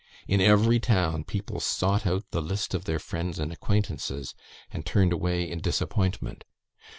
In every town people sought out the list of their friends and acquaintances, and turned away in disappointment.